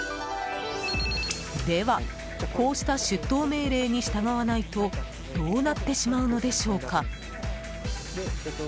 では、こうした出頭命令に従わないとどうなってしまうのでしょうか。